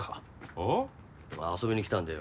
お前遊びにきたんだよ